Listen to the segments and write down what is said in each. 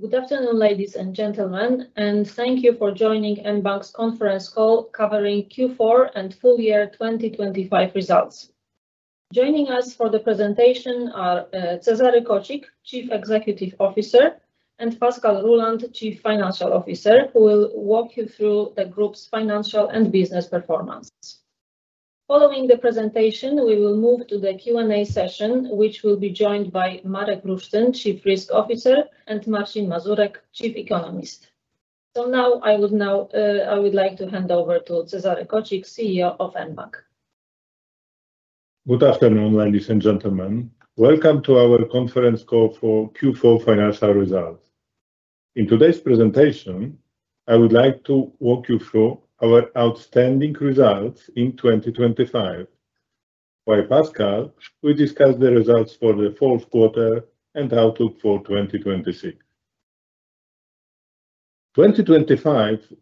Good afternoon, ladies and gentlemen, and thank you for joining mBank's conference call covering Q4 and full year 2025 results. Joining us for the presentation are Cezary Kocik, Chief Executive Officer, and Pascal Ruhland, Chief Financial Officer, who will walk you through the group's financial and business performance. Following the presentation, we will move to the Q&A session, which will be joined by Marek Lusztyn, Chief Risk Officer, and Marcin Mazurek, Chief Economist. So now, I would like to hand over to Cezary Kocik, CEO of mBank. Good afternoon, ladies and gentlemen. Welcome to our conference call for Q4 financial results. In today's presentation, I would like to walk you through our outstanding results in 2025, while Pascal will discuss the results for the fourth quarter and outlook for 2026. 2025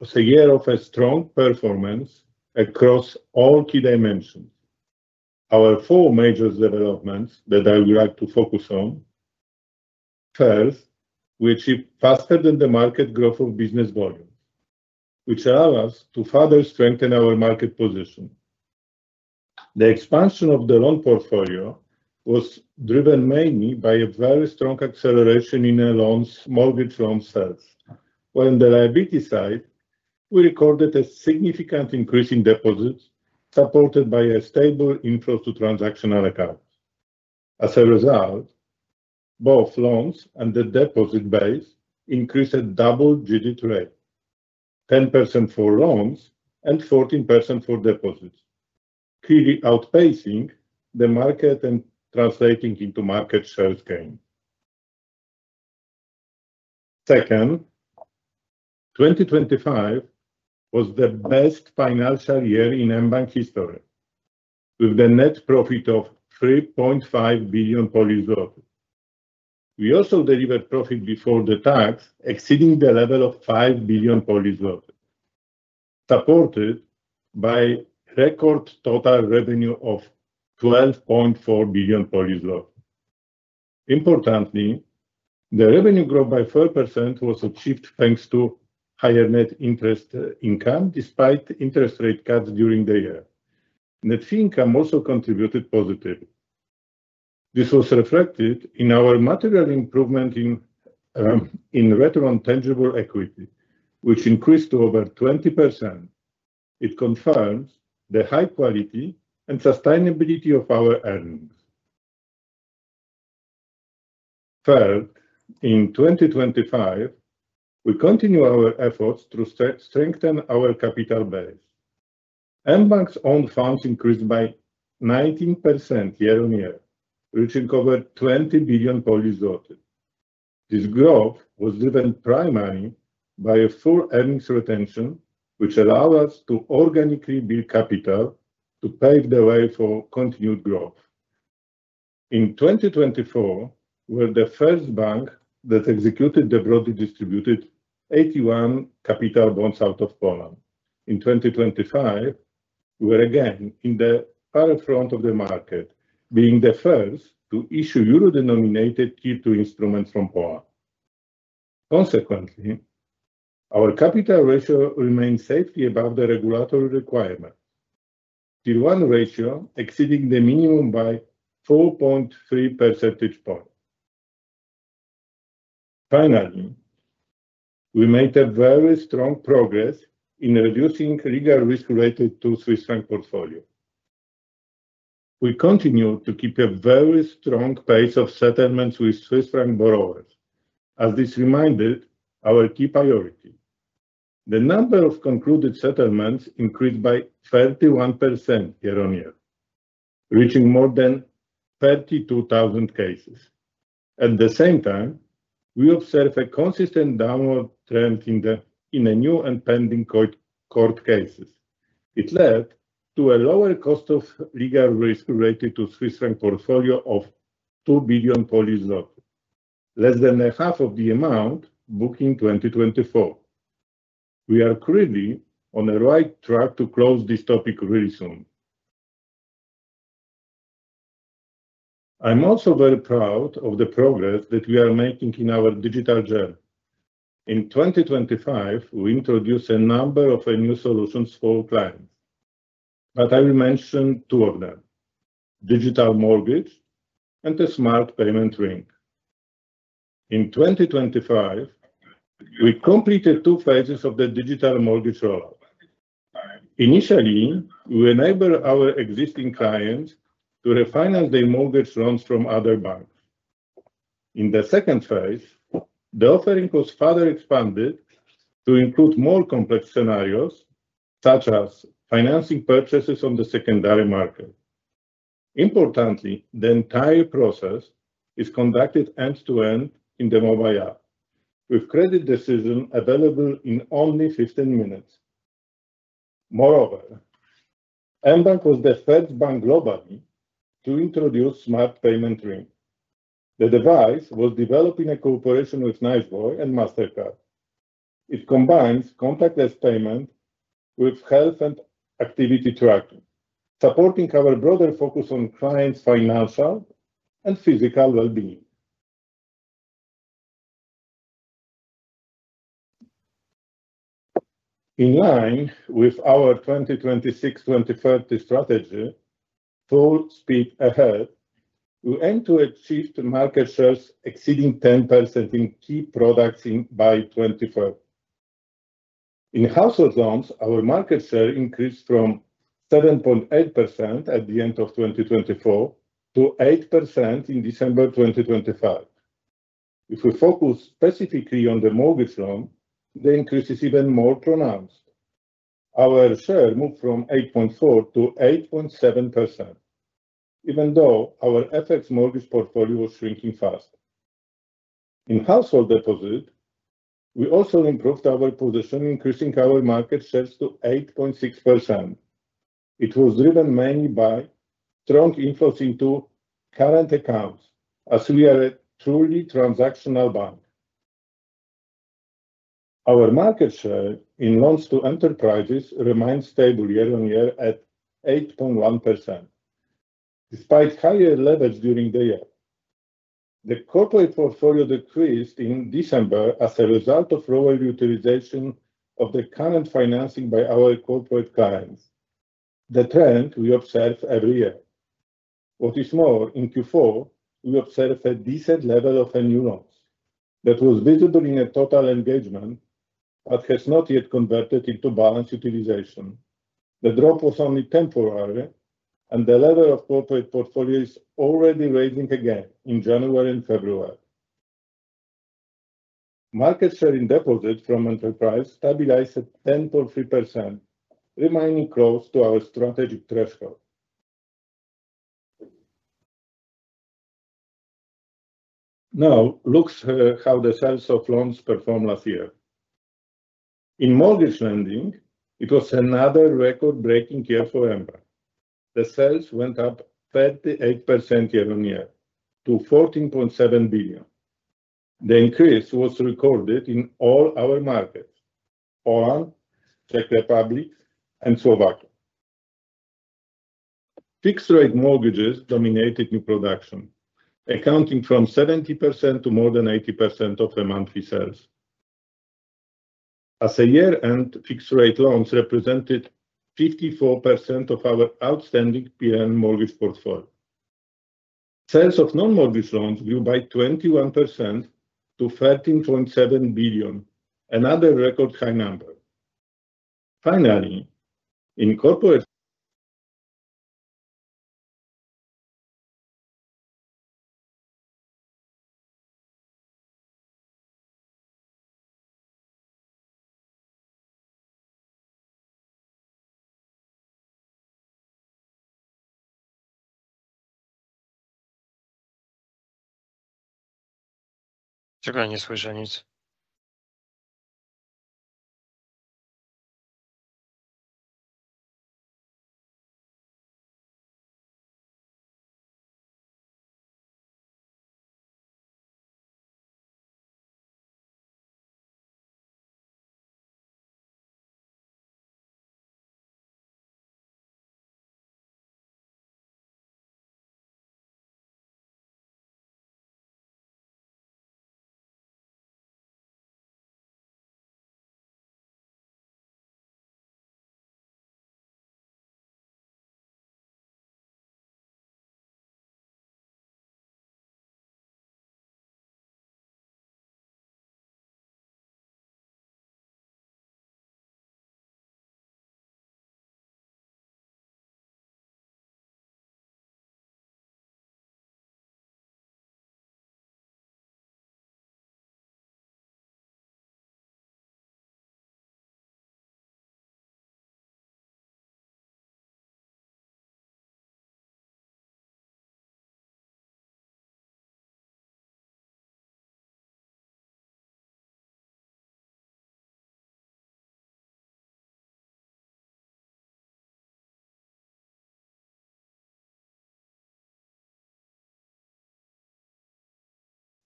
was a year of a strong performance across all key dimensions. Our four major developments that I would like to focus on: first, we achieved faster than the market growth of business volumes, which allow us to further strengthen our market position. The expansion of the loan portfolio was driven mainly by a very strong acceleration in our loans, mortgage loan sales. While on the liability side, we recorded a significant increase in deposits, supported by a stable inflow to transactional accounts. As a result, both loans and the deposit base increased at double-digit rate, 10% for loans and 14% for deposits, clearly outpacing the market and translating into market share gain. Second, 2025 was the best financial year in mBank's history, with a net profit of 3.5 billion. We also delivered profit before the tax, exceeding the level of 5 billion, supported by record total revenue of 12.4 billion. Importantly, the revenue growth by 4% was achieved thanks to higher net interest income, despite interest rate cuts during the year. Net fee income also contributed positively. This was reflected in our material improvement in return on tangible equity, which increased to over 20%. It confirms the high quality and sustainability of our earnings. Third, in 2025, we continued our efforts to strengthen our capital base. mBank's own funds increased by 19% year-on-year, reaching over 20 billion. This growth was driven primarily by a full earnings retention, which allowed us to organically build capital to pave the way for continued growth. In 2024, we were the first bank that executed the broadly distributed AT1 capital bonds out of Poland. In 2025, we were again in the forefront of the market, being the first to issue euro-denominated Tier 2 instruments from Poland. Consequently, our capital ratio remains safely above the regulatory requirement. Tier 1 ratio exceeding the minimum by 4.3 percentage points. Finally, we made a very strong progress in reducing legal risk related to Swiss franc portfolio. We continued to keep a very strong pace of settlements with Swiss franc borrowers, as this remained our key priority. The number of concluded settlements increased by 31% year-on-year, reaching more than 32,000 cases. At the same time, we observed a consistent downward trend in the new and pending court cases. It led to a lower cost of legal risk related to Swiss franc portfolio of 2 billion Polish zloty, less than half of the amount booked in 2024. We are clearly on the right track to close this topic very soon. I'm also very proud of the progress that we are making in our digital journey. In 2025, we introduced a number of new solutions for clients, but I will mention two of them: Digital Mortgage and the Smart Payment Ring. In 2025, we completed two phases of the Digital Mortgage rollout. Initially, we enabled our existing clients to refinance their mortgage loans from other banks. In the second phase, the offering was further expanded to include more complex scenarios, such as financing purchases on the secondary market. Importantly, the entire process is conducted end-to-end in the mobile app, with credit decision available in only 15 minutes. Moreover, mBank was the first bank globally to introduce Smart Payment Ring. The device was developed in a cooperation with Niceboy and Mastercard. It combines contactless payment with health and activity tracking, supporting our broader focus on clients' financial and physical well-being. In line with our 2026-2030 strategy, Full Speed Ahead!, we aim to achieve the market shares exceeding 10% in key products in by 2030. In household loans, our market share increased from 7.8% at the end of 2024 to 8% in December 2025. If we focus specifically on the mortgage loan, the increase is even more pronounced. Our share moved from 8.4% to 8.7%, even though our FX mortgage portfolio was shrinking faster. In household deposit, we also improved our position, increasing our market shares to 8.6%. It was driven mainly by strong inflows into current accounts, as we are a truly transactional bank. Our market share in loans to enterprises remains stable year on year at 8.1%, despite higher levels during the year. The corporate portfolio decreased in December as a result of lower utilization of the current financing by our corporate clients, the trend we observe every year. What is more, in Q4, we observed a decent level of new loans that was visible in a total engagement, but has not yet converted into balance utilization. The drop was only temporary, and the level of corporate portfolio is already rising again in January and February. Market share in deposit from enterprise stabilized at 10.3%, remaining close to our strategic threshold. Now, look at how the sales of loans performed last year. In mortgage lending, it was another record-breaking year for mBank. The sales went up 38% year-on-year to 14.7 billion. The increase was recorded in all our markets: Poland, Czech Republic, and Slovakia. Fixed-rate mortgages dominated new production, accounting from 70% to more than 80% of the monthly sales. At year-end, fixed-rate loans represented 54% of our outstanding PLN mortgage portfolio. Sales of non-mortgage loans grew by 21% to 13.7 billion, another record high number. Finally, in corporate-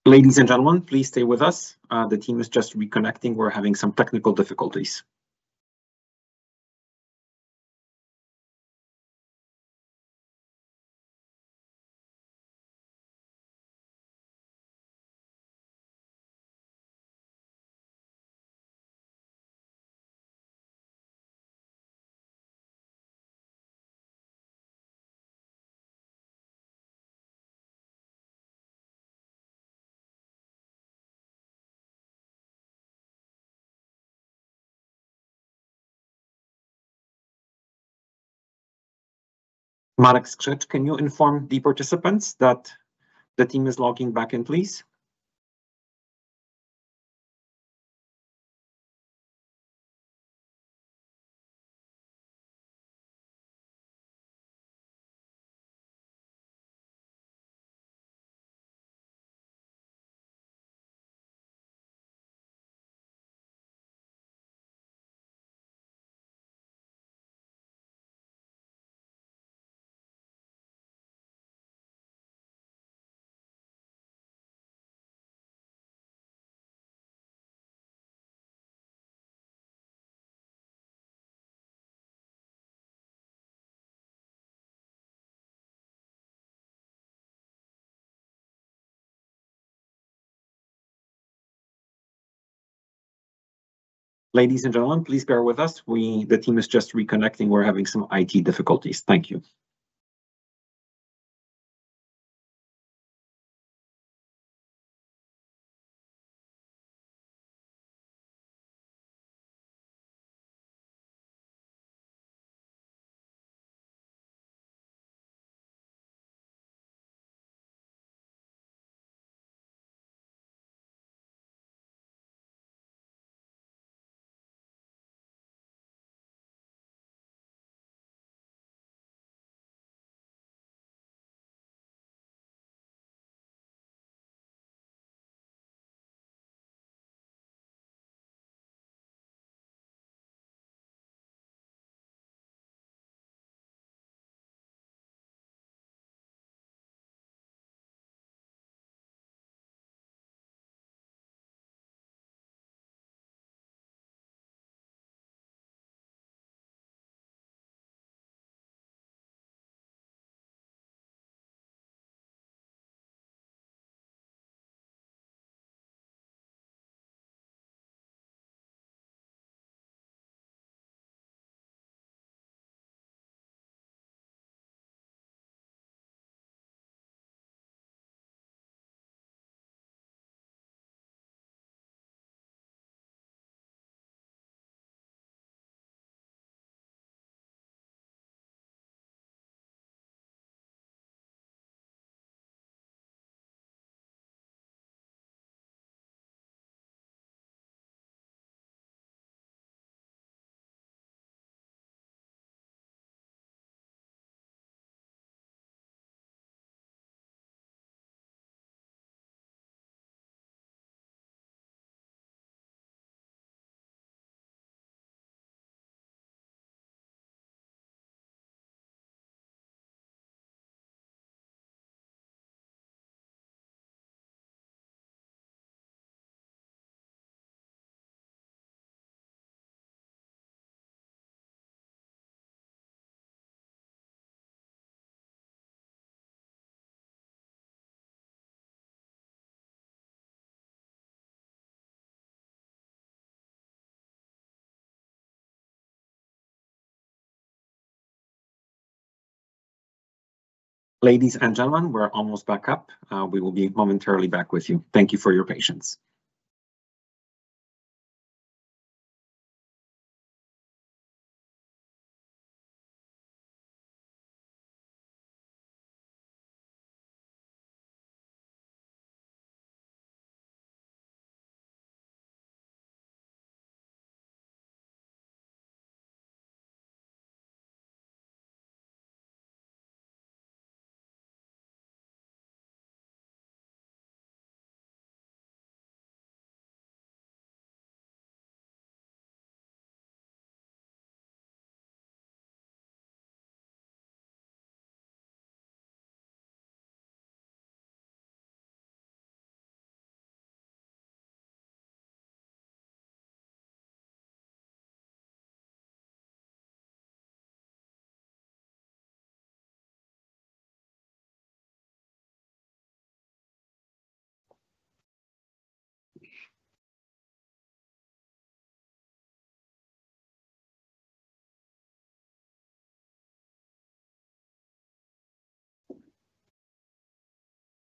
Ladies and gentlemen, please stay with us. The team is just reconnecting. We're having some technical difficulties. Can you inform the participants that the team is logging back in, please? Ladies and gentlemen, please bear with us. We, the team is just reconnecting. We're having some IT difficulties. Thank you.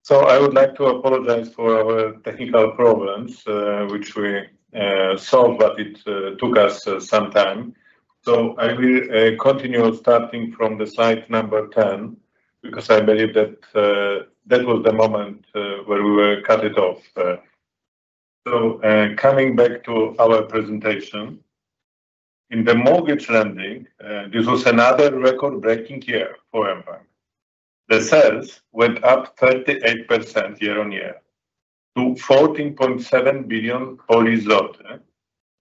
So I would like to apologize for our technical problems, which we solved, but it took us some time. So I will continue starting from the slide number 10, because I believe that that was the moment where we were cut it off. So, coming back to our presentation, in the mortgage lending, this was another record-breaking year for mBank. The sales went up 38% year-on-year to 14.7 billion.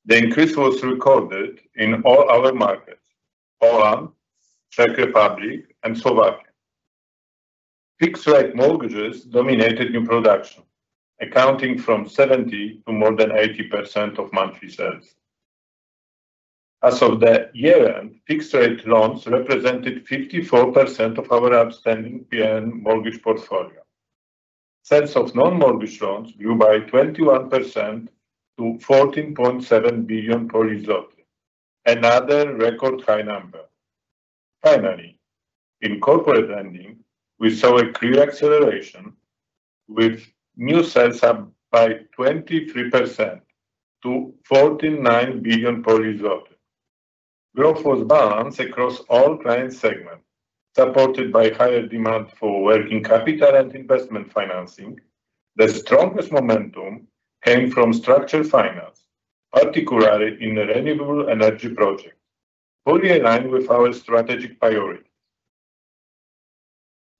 The increase was recorded in all our markets: Poland, Czech Republic, and Slovakia. Fixed-rate mortgages dominated new production, accounting from 70% to more than 80% of monthly sales. As of the year-end, fixed-rate loans represented 54% of our outstanding PLN mortgage portfolio. Sales of non-mortgage loans grew by 21% to 14.7 billion, another record-high number. Finally, in corporate lending, we saw a clear acceleration, with new sales up by 23% to 49 billion. Growth was balanced across all client segments, supported by higher demand for working capital and investment financing. The strongest momentum came from structured finance, particularly in renewable energy projects, fully aligned with our strategic priority.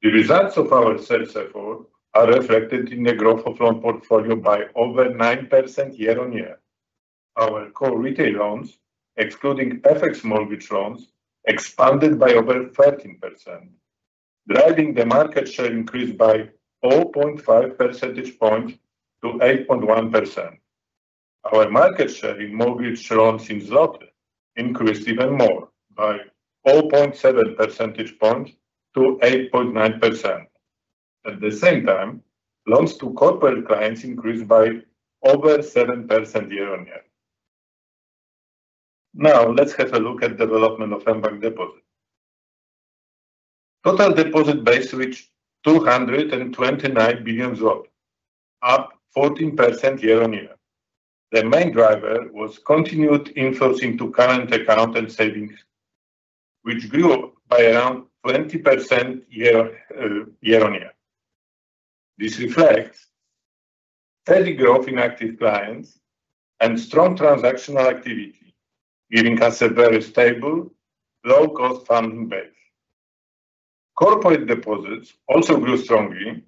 The results of our sales effort are reflected in the growth of loan portfolio by over 9% year-on-year... our core retail loans, excluding FX mortgage loans, expanded by over 13%, driving the market share increase by 0.5 percentage points to 8.1%. Our market share in mortgage loans in złoty increased even more, by 0.7 percentage points to 8.9%. At the same time, loans to corporate clients increased by over 7% year-on-year. Now, let's have a look at development of mBank deposit. Total deposit base reached 229 billion zloty, up 14% year-on-year. The main driver was continued inflows into current account and savings, which grew by around 20% year-on-year. This reflects steady growth in active clients and strong transactional activity, giving us a very stable, low-cost funding base. Corporate deposits also grew strongly,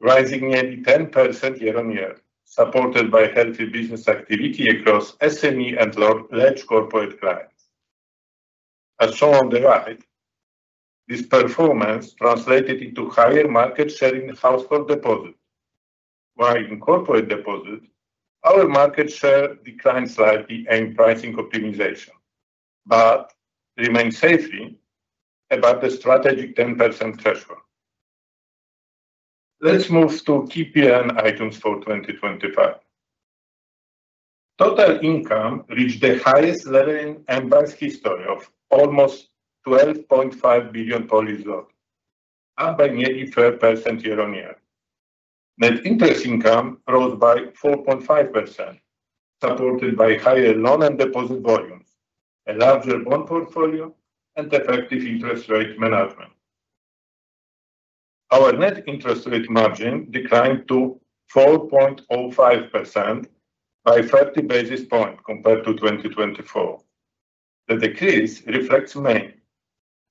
rising nearly 10% year-on-year, supported by healthy business activity across SME and large corporate clients. As shown on the right, this performance translated into higher market share in household deposits, while in corporate deposits, our market share declined slightly in pricing optimization but remains safely above the strategic 10% threshold. Let's move to key P&L items for 2025. Total income reached the highest level in mBank's history of almost PLN 12.5 billion, up by nearly 12% year-on-year. Net interest income rose by 4.5%, supported by higher loan and deposit volumes, a larger bond portfolio, and effective interest rate management. Our net interest rate margin declined to 4.05% by 30 basis points compared to 2024. The decrease reflects mainly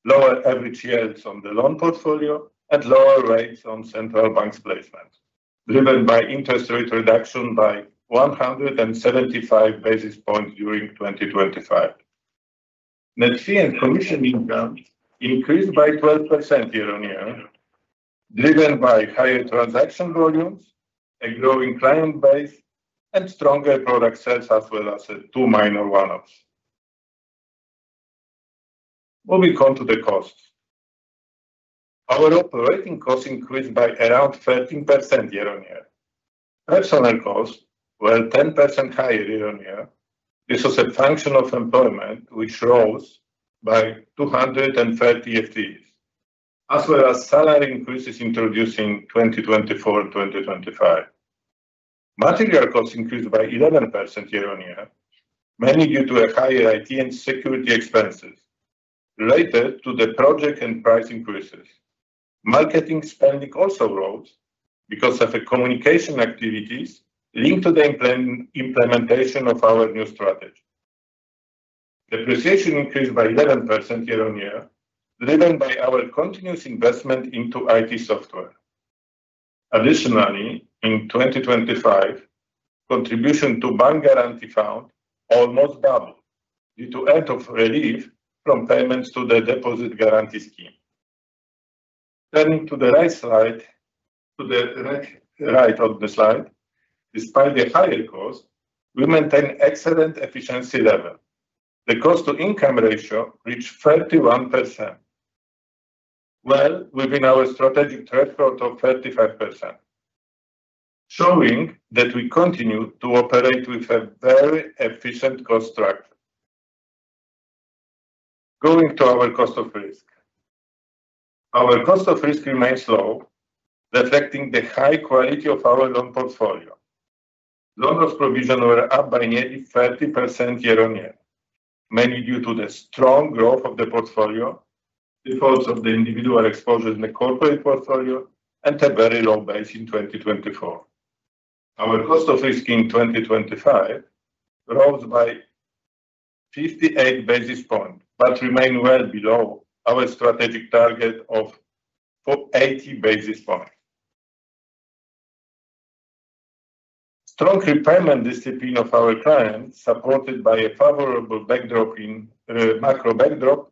lower average yields on the loan portfolio and lower rates on central banks placement, driven by interest rate reduction by 175 basis points during 2025. Net fee and commission income increased by 12% year-on-year, driven by higher transaction volumes, a growing client base, and stronger product sales, as well as two minor one-offs. Moving on to the costs. Our operating costs increased by around 13% year-on-year. Personnel costs were 10% higher year-on-year. This was a function of employment, which rose by 230 FTEs, as well as salary increases introduced in 2024, 2025. Material costs increased by 11% year-on-year, mainly due to higher IT and security expenses related to the project and price increases. Marketing spending also rose because of the communication activities linked to the implementation of our new strategy. Depreciation increased by 11% year-on-year, driven by our continuous investment into IT software. Additionally, in 2025, contribution to Bank Guarantee Fund almost doubled due to end of relief from payments to the deposit guarantee scheme. Turning to the right slide, to the right, right of the slide, despite the higher costs, we maintain excellent efficiency level. The cost to income ratio reached 31%, well within our strategic threshold of 35%, showing that we continue to operate with a very efficient cost structure. Going to our cost of risk. Our cost of risk remains low, reflecting the high quality of our loan portfolio. Loan provisions were up by nearly 30% year-on-year, mainly due to the strong growth of the portfolio, defaults of the individual exposures in the corporate portfolio, and a very low base in 2024. Our cost of risk in 2025 rose by 58 basis points but remained well below our strategic target of 80 basis points. Strong repayment discipline of our clients, supported by a favorable macro backdrop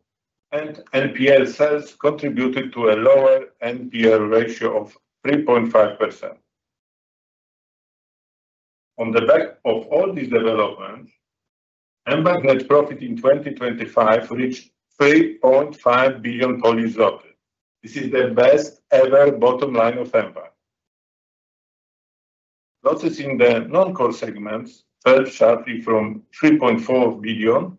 and NPL sales contributed to a lower NPL ratio of 3.5%. On the back of all these developments, mBank's net profit in 2025 reached 3.5 billion. This is the best ever bottom line of mBank. Losses in the non-core segments fell sharply from 3.4 billion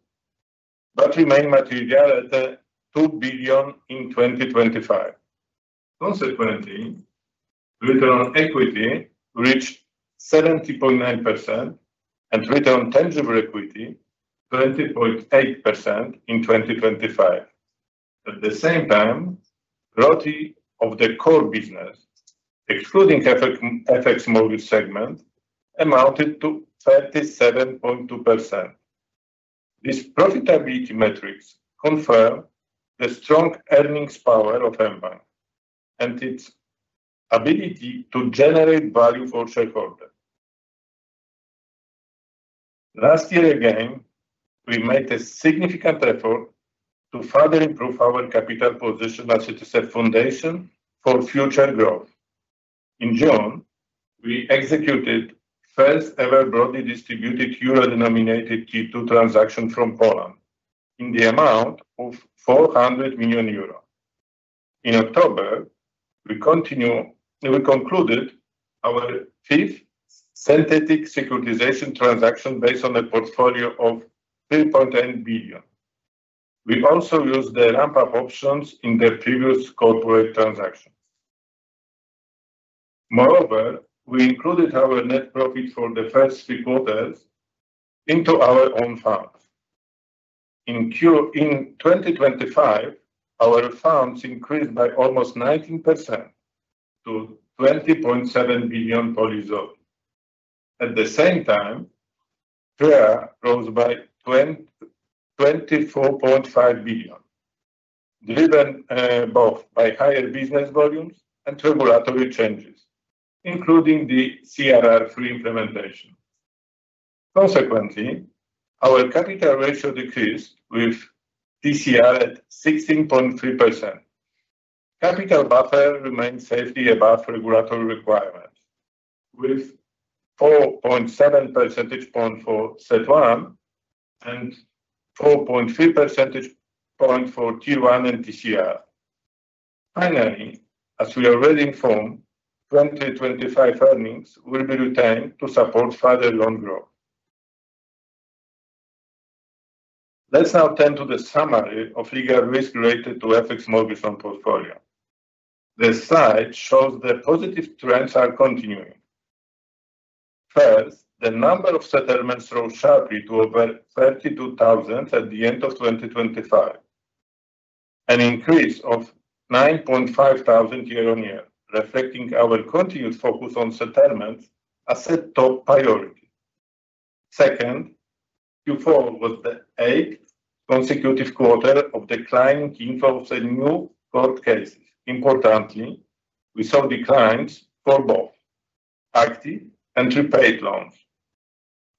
but remained material at 2 billion in 2025. Consequently, return on equity reached 17.9% and return on tangible equity, 20.8% in 2025. At the same time, ROTE of the core business, excluding FX, FX mortgage segment, amounted to 37.2%.... These profitability metrics confirm the strong earnings power of mBank, and its ability to generate value for shareholders. Last year, again, we made a significant effort to further improve our capital position as it is a foundation for future growth. In June, we executed first ever broadly distributed euro-denominated T2 transaction from Poland in the amount of 400 million euro. In October, we concluded our fifth synthetic securitization transaction based on a portfolio of 3.8 billion. We've also used the ramp-up options in the previous corporate transactions. Moreover, we included our net profit for the first three quarters into our own funds. In 2025, our funds increased by almost 19% to 20.7 billion. At the same time, TREA rose by 24.5 billion, driven both by higher business volumes and regulatory changes, including the CRR III implementation. Consequently, our capital ratio decreased, with TCR at 16.3%. Capital buffer remains safely above regulatory requirements, with 4.7 percentage point for CET1 and 4.3 percentage point for T1 and TCR. Finally, as we are already informed, 2025 earnings will be retained to support further long growth. Let's now turn to the summary of legal risk related to FX mortgages on portfolio. The slide shows the positive trends are continuing. First, the number of settlements rose sharply to over 32,000 at the end of 2025, an increase of 9,500 year-on-year, reflecting our continued focus on settlements as a top priority. Second, Q4 was the 8th consecutive quarter of declining inflow of the new court cases. Importantly, we saw declines for both active and repaid loans.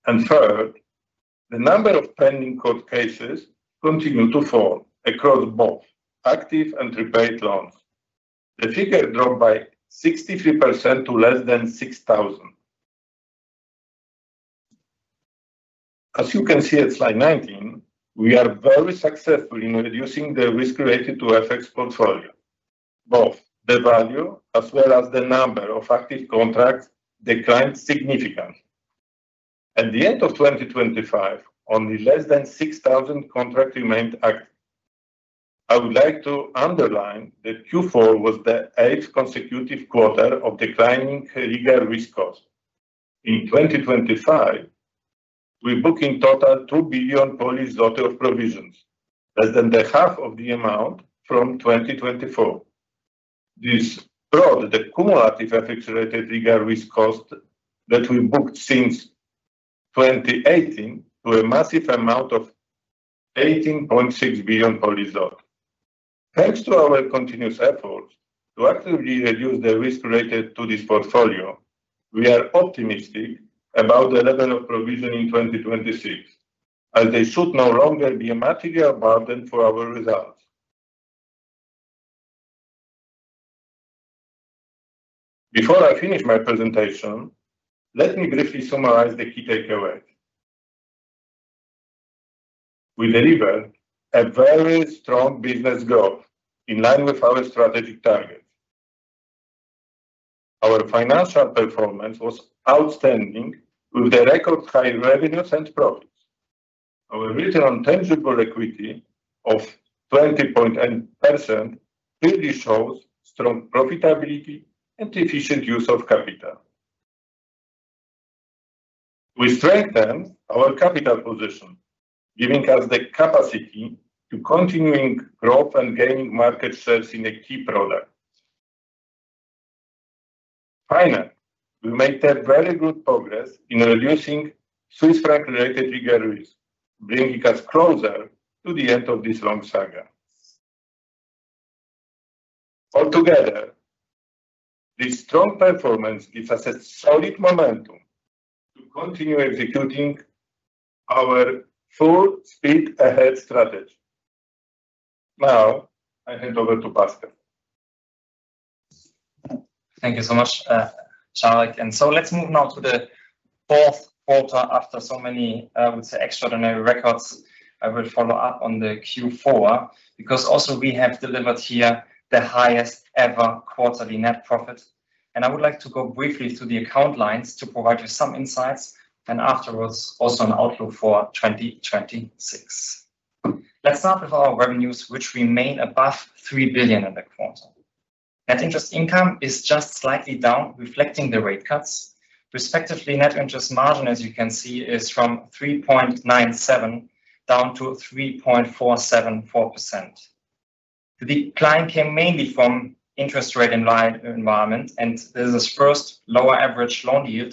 Third, the number of pending court cases continued to fall across both active and repaid loans. The figure dropped by 63% to less than 6,000. As you can see on slide 19, we are very successful in reducing the risk related to FX portfolio. Both the value as well as the number of active contracts declined significantly. At the end of 2025, only less than 6,000 contracts remained active. I would like to underline that Q4 was the 8th consecutive quarter of declining legal risk costs. In 2025, we book in total 2 billion of provisions, less than half of the amount from 2024. This brought the cumulative FX-related legal risk cost that we booked since 2018 to a massive amount of 18.6 billion. Thanks to our continuous efforts to actively reduce the risk related to this portfolio, we are optimistic about the level of provision in 2026, as they should no longer be a material burden for our results. Before I finish my presentation, let me briefly summarize the key takeaway. We delivered a very strong business growth in line with our strategic targets. Our financial performance was outstanding, with the record high revenues and profits. Our return on tangible equity of 20.8% clearly shows strong profitability and efficient use of capital. We strengthened our capital position, giving us the capacity to continuing growth and gaining market shares in a key product. Finally, we made a very good progress in reducing Swiss franc-related legal risk, bringing us closer to the end of this long saga. Altogether, this strong performance gives us a solid momentum to continue executing our full speed ahead strategy. Now I hand over to Pascal. Thank you so much, Cezary. So let's move now to the fourth quarter after so many extraordinary records. I will follow up on the Q4, because also we have delivered here the highest ever quarterly net profit. I would like to go briefly through the account lines to provide you some insights, and afterwards, also an outlook for 2026. Let's start with our revenues, which remain above 3 billion in the quarter. Net interest income is just slightly down, reflecting the rate cuts. Respectively, net interest margin, as you can see, is from 3.97% down to 3.474%. The decline came mainly from interest rate environment, and this is first lower average loan yield,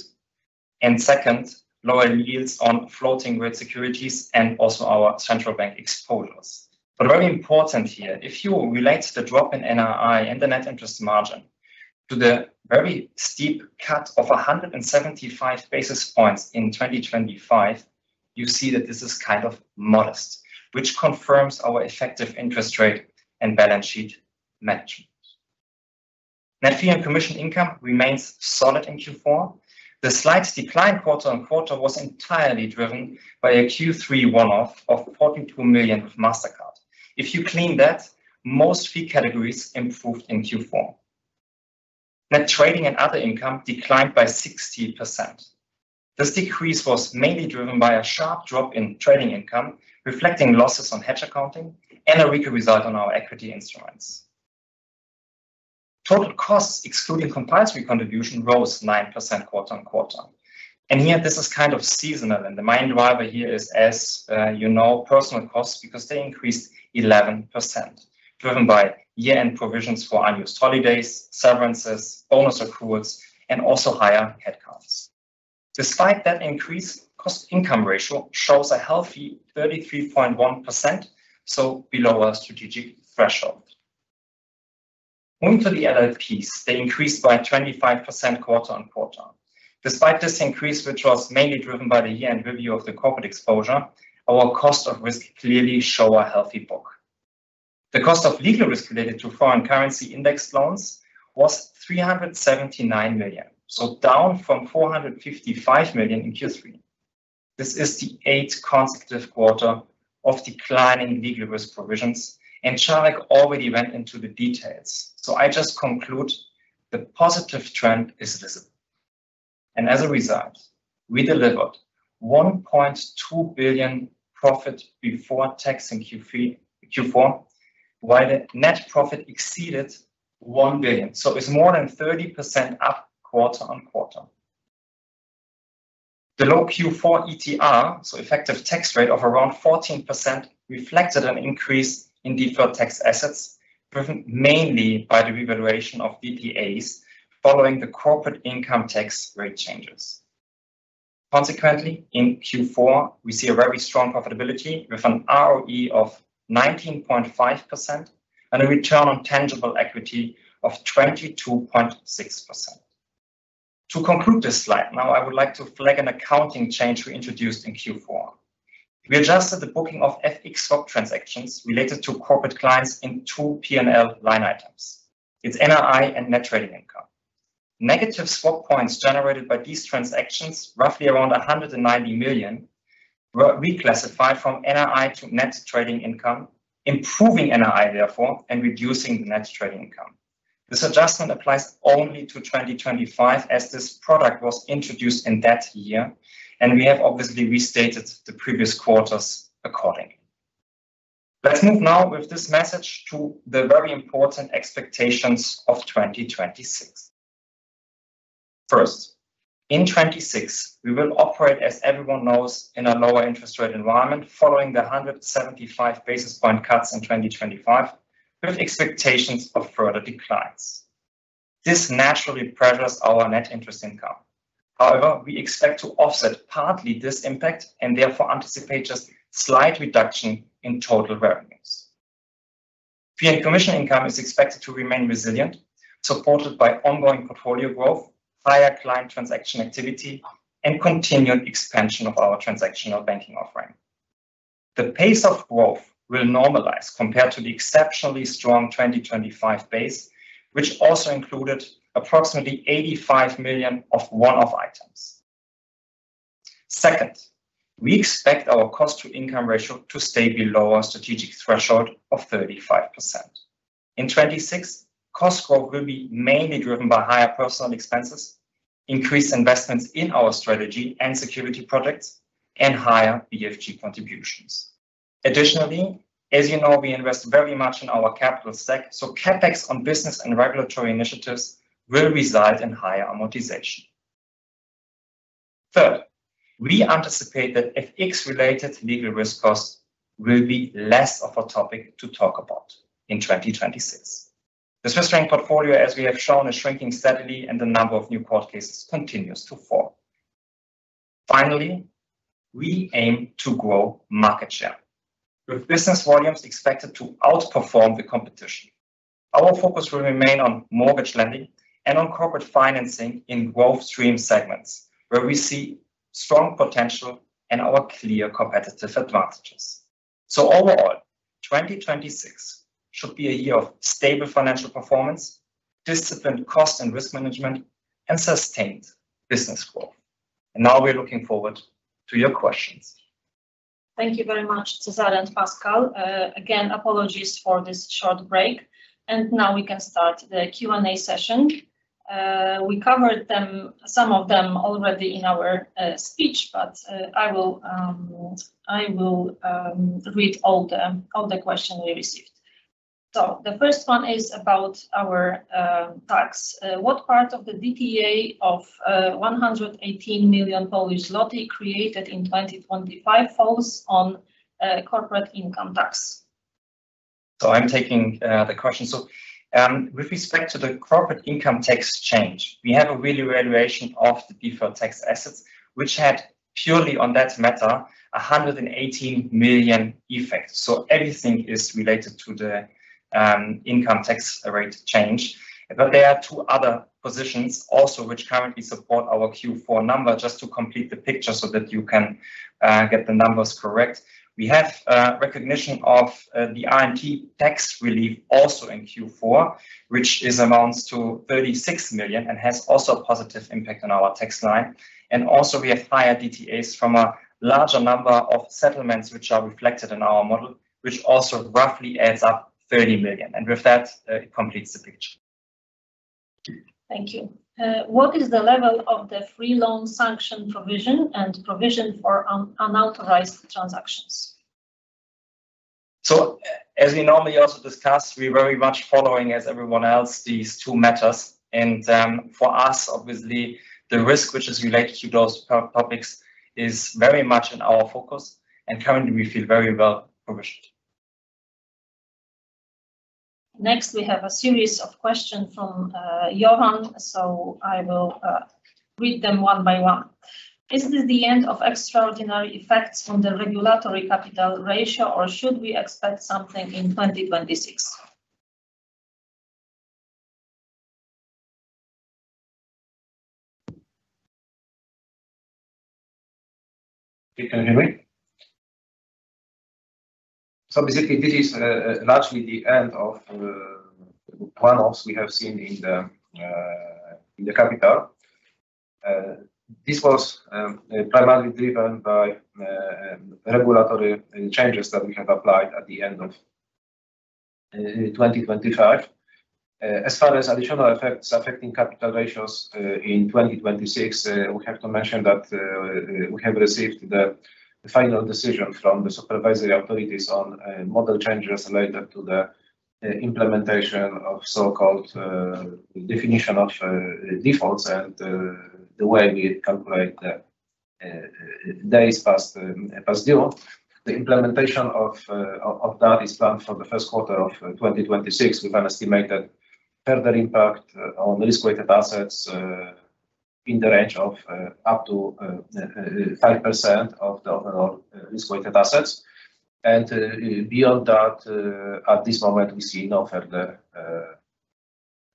and second, lower yields on floating rate securities and also our central bank exposures. But very important here, if you relate the drop in NII and the net interest margin to the very steep cut of 175 basis points in 2025, you see that this is kind of modest, which confirms our effective interest rate and balance sheet management. Net fee and commission income remains solid in Q4. The slight decline quarter-on-quarter was entirely driven by a Q3 one-off of 42 million with Mastercard. If you clean that, most fee categories improved in Q4. Net trading and other income declined by 60%. This decrease was mainly driven by a sharp drop in trading income, reflecting losses on hedge accounting and a weaker result on our equity instruments. Total costs, excluding compulsory contribution, rose 9% quarter-on-quarter. And here, this is kind of seasonal, and the main driver here is, as, you know, personal costs, because they increased 11%, driven by year-end provisions for unused holidays, severances, bonus accruals, and also higher head counts. Despite that increase, cost income ratio shows a healthy 33.1%, so below our strategic threshold. On to the LLPs, they increased by 25% quarter-on-quarter. Despite this increase, which was mainly driven by the year-end review of the corporate exposure, our cost of risk clearly show a healthy book. The cost of legal risk related to foreign currency indexed loans was 379 million, so down from 455 million in Q3. This is the eighth consecutive quarter of declining legal risk provisions, and Cezary already went into the details. So I just conclude the positive trend is visible. As a result, we delivered 1.2 billion profit before tax in Q4, while the net profit exceeded 1 billion, so it's more than 30% up quarter on quarter. The low Q4 ETR, so effective tax rate of around 14%, reflected an increase in deferred tax assets, driven mainly by the revaluation of DTAs following the corporate income tax rate changes. Consequently, in Q4, we see a very strong profitability, with an ROE of 19.5% and a return on tangible equity of 22.6%. To conclude this slide, now I would like to flag an accounting change we introduced in Q4. We adjusted the booking of FX swap transactions related to corporate clients in two P&L line items. It's NII and net trading income. Negative swap points generated by these transactions, roughly around 190 million, were reclassified from NII to net trading income, improving NII therefore, and reducing the net trading income. This adjustment applies only to 2025, as this product was introduced in that year, and we have obviously restated the previous quarters accordingly. Let's move now with this message to the very important expectations of 2026. First, in 2026, we will operate, as everyone knows, in a lower interest rate environment, following the 175 basis point cuts in 2025, with expectations of further declines. This naturally pressures our net interest income. However, we expect to offset partly this impact and therefore anticipate just slight reduction in total revenues. Fee and commission income is expected to remain resilient, supported by ongoing portfolio growth, higher client transaction activity, and continued expansion of our transactional banking offering. The pace of growth will normalize compared to the exceptionally strong 2025 base, which also included approximately 85 million of one-off items. Second, we expect our cost to income ratio to stay below our strategic threshold of 35%. In 2026, cost growth will be mainly driven by higher personnel expenses, increased investments in our strategy and security products, and higher BFG contributions. Additionally, as you know, we invest very much in our capital stack, so CapEx on business and regulatory initiatives will result in higher amortization. Third, we anticipate that FX-related legal risk costs will be less of a topic to talk about in 2026. The Swiss franc portfolio, as we have shown, is shrinking steadily, and the number of new court cases continues to fall. Finally, we aim to grow market share, with business volumes expected to outperform the competition. Our focus will remain on mortgage lending and on corporate financing in growth stream segments, where we see strong potential and our clear competitive advantages. Overall, 2026 should be a year of stable financial performance, disciplined cost and risk management, and sustained business growth. Now we're looking forward to your questions. Thank you very much, Cezary and Pascal. Again, apologies for this short break, and now we can start the Q&A session. We covered them, some of them already in our speech, but I will read all the questions we received. So the first one is about our tax. What part of the DTA of 118 million Polish zloty created in 2025 falls on corporate income tax? So I'm taking the question. So, with respect to the corporate income tax change, we have a revaluation of the deferred tax assets, which had purely on that matter, 118 million effects. So everything is related to the income tax rate change. But there are two other positions also, which currently support our Q4 number, just to complete the picture so that you can get the numbers correct. We have recognition of the R&D tax relief also in Q4, which amounts to 36 million and has also a positive impact on our tax line. And also we have higher DTAs from a larger number of settlements, which are reflected in our model, which also roughly adds up 30 million. And with that, it completes the picture. Thank you. What is the level of the free loan sanction provision and provision for unauthorized transactions? As we normally also discuss, we're very much following, as everyone else, these two matters. For us, obviously, the risk which is related to those topics is very much in our focus, and currently we feel very well positioned. Next, we have a series of questions from Johan, so I will read them one by one. Is this the end of extraordinary effects on the regulatory capital ratio, or should we expect something in 2026? Can you hear me? So basically, this is largely the end of one-offs we have seen in the capital. This was primarily driven by regulatory changes that we have applied at the end of 2025. As far as additional effects affecting capital ratios in 2026, we have to mention that we have received the final decision from the supervisory authorities on model changes related to the implementation of so-called Definition of Default, and the way we calculate the days past due. The implementation of that is planned for the first quarter of 2026, with an estimated further impact on risk-weighted assets in the range of up to 5% of the overall risk-weighted assets. Beyond that, at this moment, we see no further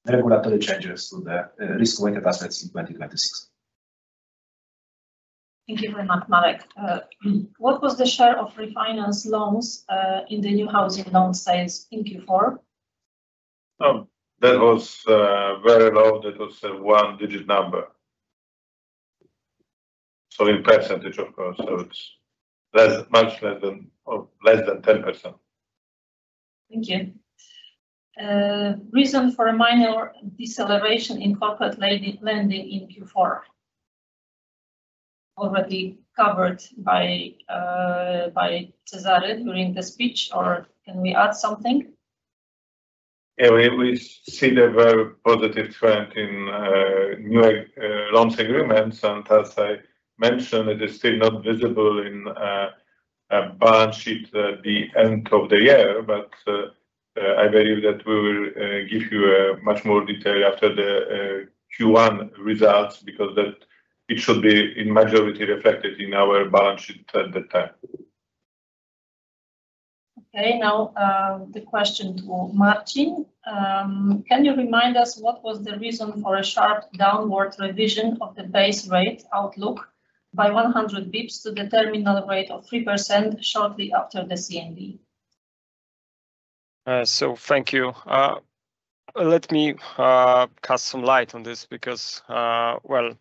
regulatory changes to the risk-weighted assets in 2026. Thank you very much, Marek. What was the share of refinance loans in the new housing loan sales in Q4? That was very low. That was a one-digit number. So in percentage, of course, so it's less, much less than, or less than 10%. Thank you. Reason for a minor deceleration in corporate lending in Q4? Already covered by Cezary during the speech, or can we add something? Yeah, we see the very positive trend in new loans agreements, and as I mentioned, it is still not visible in our balance sheet at the end of the year. But I believe that we will give you much more detail after the Q1 results, because that it should be in majority reflected in our balance sheet at the time. Okay, now, the question to Marcin. Can you remind us, what was the reason for a sharp downward revision of the base rate outlook by 100 basis points to the terminal rate of 3% shortly after the CMD? So thank you. Let me cast some light on this because, well,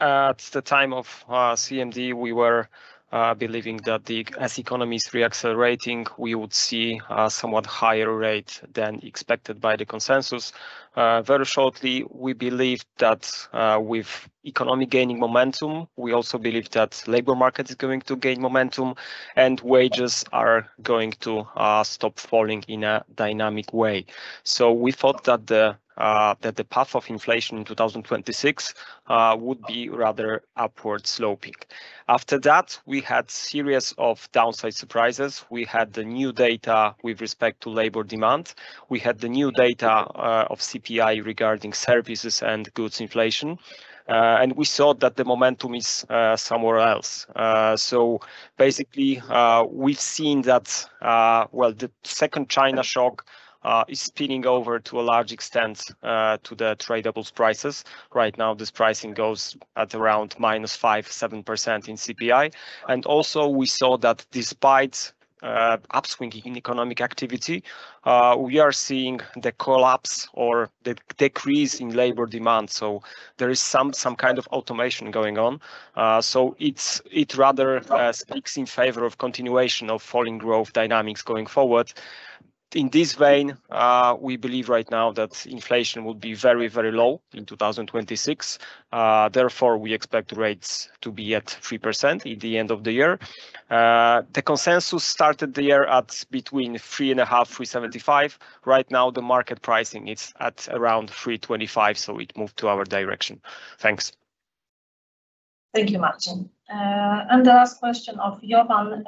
at the time of CMD, we were believing that as the economy is re-accelerating, we would see somewhat higher rate than expected by the consensus. Very shortly, we believed that, with economy gaining momentum, we also believe that labor market is going to gain momentum, and wages are going to stop falling in a dynamic way. So we thought that the path of inflation in 2026 would be rather upward sloping. After that, we had series of downside surprises. We had the new data with respect to labor demand. We had the new data of CPI regarding services and goods inflation, and we saw that the momentum is somewhere else. So basically, we've seen that, well, the second China shock is spilling over to a large extent to the tradables prices. Right now, this pricing goes at around -5.7% in CPI. And also we saw that despite upswing in economic activity, we are seeing the collapse or the decrease in labor demand, so there is some kind of automation going on. So it's, it rather speaks in favor of continuation of falling growth dynamics going forward. In this vein, we believe right now that inflation will be very, very low in 2026. Therefore, we expect rates to be at 3% in the end of the year. The consensus started the year at between 3.5% and 3.75%. Right now, the market pricing is at around 3.25%, so it moved to our direction. Thanks. Thank you, Marcin. And the last question of Johan,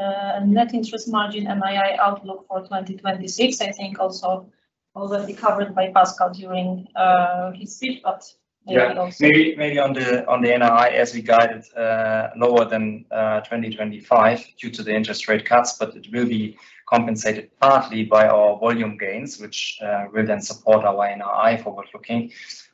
net interest margin, NII outlook for 2026, I think also already covered by Pascal during his speech, but maybe also- Yeah, maybe, maybe on the, on the NII, as we guided, lower than 2025 due to the interest rate cuts, but it will be compensated partly by our volume gains, which, will then support our NII forward looking.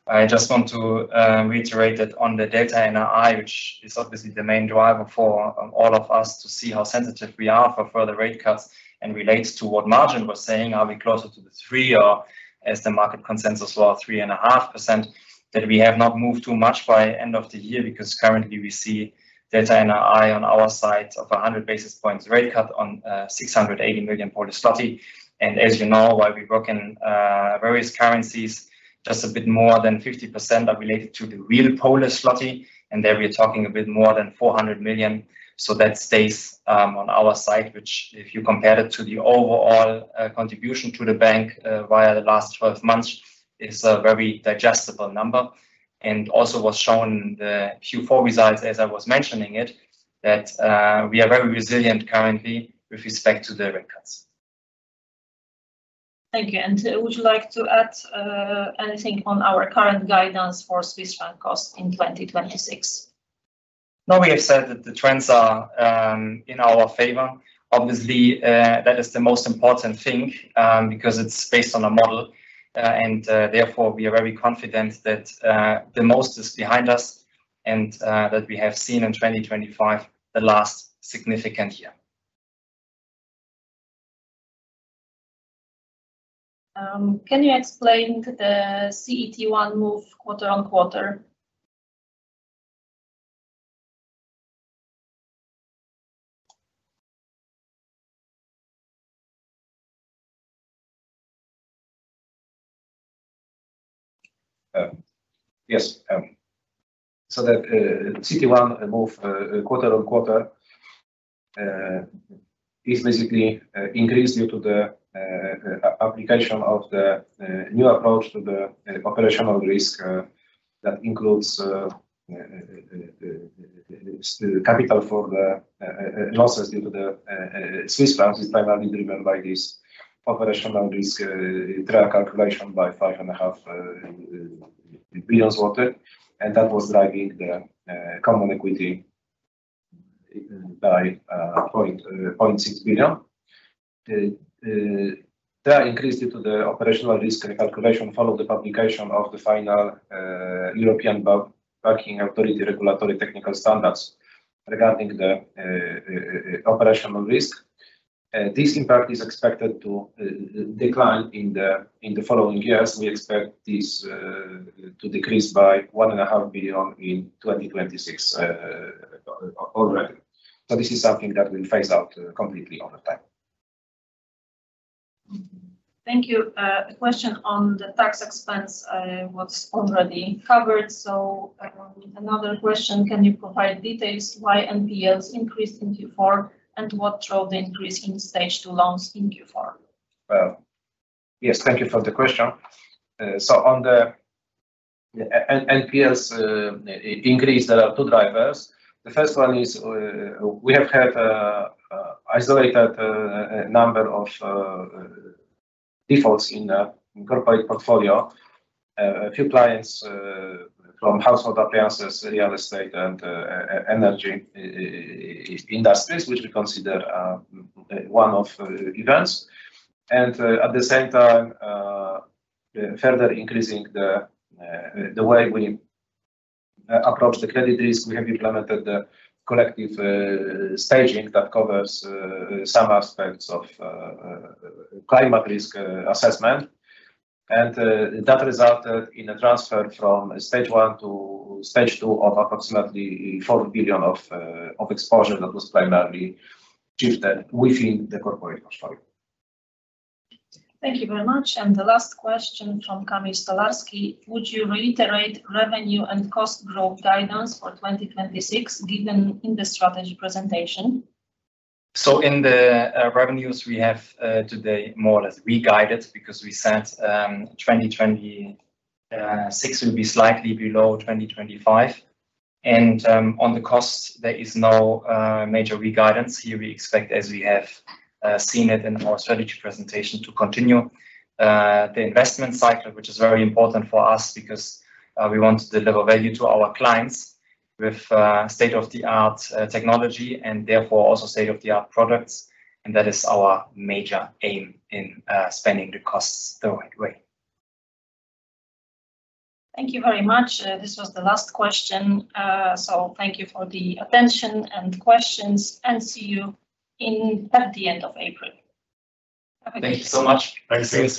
I just want to, reiterate that on the delta NII, which is obviously the main driver for all of us to see how sensitive we are for further rate cuts, and relates to what Marcin was saying, are we closer to the 3%, or as the market consensus, well, 3.5%, that we have not moved too much by end of the year, because currently we see delta NII on our side of a hundred basis points rate cut on, 680 million Polish zloty. And as you know, while we work in various currencies, just a bit more than 50% are related to the real Polish zloty, and there we're talking a bit more than 400 million. So that stays on our side, which if you compare it to the overall contribution to the bank via the last 12 months, is a very digestible number. And also was shown in the Q4 results, as I was mentioning it, that we are very resilient currently with respect to the rate cuts. Thank you. And would you like to add anything on our current guidance for Swiss franc costs in 2026? No, we have said that the trends are in our favor. Obviously, that is the most important thing, because it's based on a model. And therefore, we are very confident that the most is behind us, and that we have seen in 2025, the last significant year. Can you explain the CET1 move quarter-on-quarter? Yes. So the CET1 move quarter-on-quarter is basically increased due to the application of the new approach to the operational risk that includes the capital for the losses due to the Swiss franc is primarily driven by this operational risk TREA calculation by 5.5 billion zloty, and that was driving the common equity by 0.6 billion. The TREA increased due to the operational risk recalculation followed the publication of the final European Banking Authority Regulatory Technical Standards regarding the operational risk. This impact is expected to decline in the following years. We expect this to decrease by 1.5 billion in 2026 already. This is something that will phase out completely over time. Thank you. The question on the tax expense was already covered, so, another question, can you provide details why NPLs increased in Q4, and what drove the increase in Stage 2 loans in Q4? Well, yes, thank you for the question. So on the NPLs increase, there are two drivers. The first one is, we have had an isolated number of defaults in the corporate portfolio. A few clients from household appliances, real estate, and energy industries, which we consider one-off events. And at the same time, further increasing the way we approach the credit risk, we have implemented the collective staging that covers some aspects of climate risk assessment. And that resulted in a transfer from Stage 1 to Stage 2 of approximately 4 billion of exposure that was primarily shifted within the corporate portfolio. Thank you very much. And the last question from Kamil Stolarski: Would you reiterate revenue and cost growth guidance for 2026, given in the strategy presentation? So in the revenues we have today more or less re-guided, because we said 2026 will be slightly below 2025. And on the costs, there is no major re-guidance here. We expect, as we have seen it in our strategy presentation, to continue the investment cycle, which is very important for us, because we want to deliver value to our clients with state-of-the-art technology, and therefore, also state-of-the-art products, and that is our major aim in spending the costs the right way. Thank you very much. This was the last question. So thank you for the attention and questions, and see you in at the end of April. Thank you so much. Thank you so much.